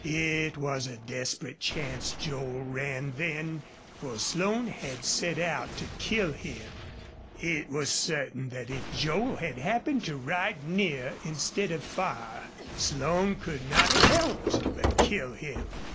It was a desperate chance Joel ran then, for Slone had set out to kill him. It was certain that if Joel had happened to ride near instead of far, Slone could not have helped but kill him.